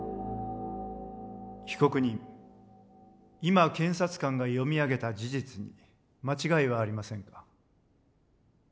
被告人今検察官が読み上げた事実に間違いはありませんか？